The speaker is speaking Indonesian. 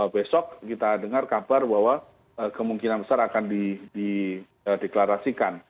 besok kita dengar kabar bahwa kemungkinan besar akan dideklarasikan